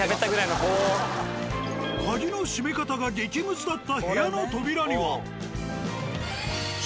鍵の閉め方が激ムズだった部屋の扉には。